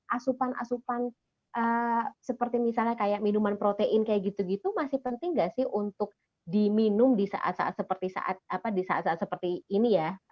asupan asupan seperti misalnya kayak minuman protein kayak gitu gitu masih penting gak sih untuk diminum di saat saat seperti ini ya